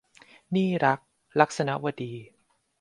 หนี้รัก - ลักษณวดี